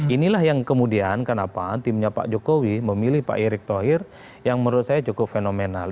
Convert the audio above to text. inilah yang kemudian kenapa timnya pak jokowi memilih pak erick thohir yang menurut saya cukup fenomenal